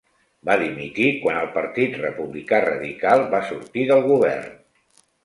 Va dimitir quan el Partit Republicà Radical va sortir del Govern.